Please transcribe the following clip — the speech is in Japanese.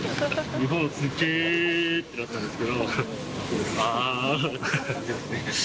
日本すげーってなったんですけど、あーって。